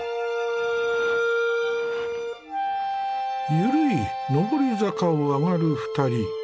緩い上り坂を上がる２人。